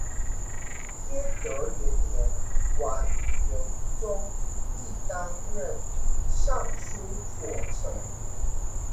天德元年完颜宗义担任尚书左丞。